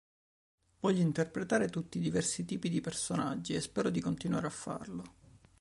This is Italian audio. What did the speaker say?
Voglio interpretare tutti i diversi tipi di personaggi e spero di continuare a farlo.